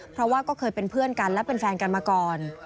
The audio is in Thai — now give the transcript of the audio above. เพราะว่าก็เคยเป็นเพื่อนกันและเป็นแฟนกันมาก่อน